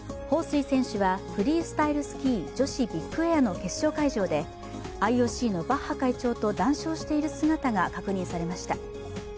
彭帥選手はフリースタイルスキー女子ビッグエアの決勝会場でＩＯＣのバッハ会長と談笑している姿が確認されました。